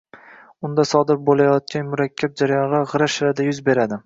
unda sodir bo‘layotgan murakkab jarayonlar “g‘ira-shirada” yuz beradi